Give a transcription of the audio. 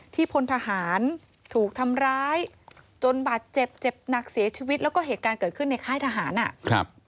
พลทหารถูกทำร้ายจนบาดเจ็บเจ็บหนักเสียชีวิตแล้วก็เหตุการณ์เกิดขึ้นในค่ายทหารอ่ะครับ